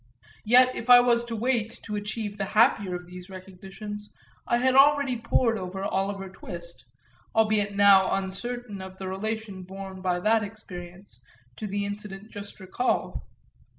Yet if I was to wait to achieve the happier of these recognitions I had already pored over Oliver Twist albeit now uncertain of the relation borne by that experience to the incident just recalled.